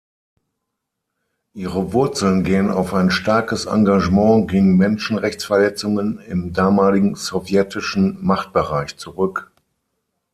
Ihre Wurzeln gehen auf ein starkes Engagement gegen Menschenrechtsverletzungen im damaligen sowjetischen Machtbereich zurück.